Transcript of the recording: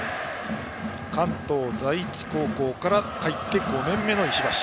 関東第一高校から入って５年目の石橋。